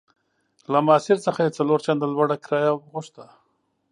له ماسیر څخه یې څلور چنده لوړه کرایه غوښته.